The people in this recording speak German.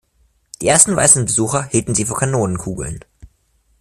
Die ersten weißen Besucher hielten sie für Kanonenkugeln.